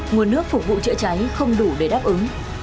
nguồn nước phục vụ chữa cháy không đủ để đáp ứng